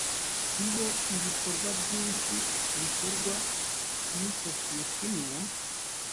iyo ibikorwa byinshi bikorwa n isosiyete imwe